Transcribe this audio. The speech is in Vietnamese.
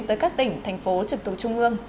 tới các tỉnh thành phố trực tố trung ương